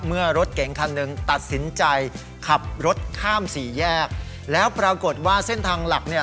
รถเก๋งคันหนึ่งตัดสินใจขับรถข้ามสี่แยกแล้วปรากฏว่าเส้นทางหลักเนี่ย